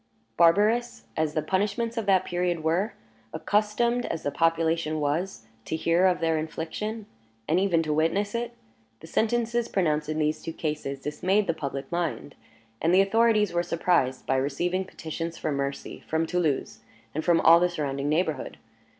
Barbarous as the punishments of that period were, accustomed as the population was to hear of their infliction, and even to witness it, the sentences pronounced in these two cases dismayed the public mind; and the authorities were surprised by receiving petitions for mercy from Toulouse, and from all the surrounding neighborhood.